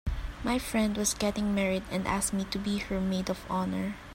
My friend was getting married and asked me to be her maid of honor.